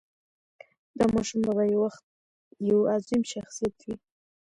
دا ماشوم به یو وخت یو عظیم شخصیت وي.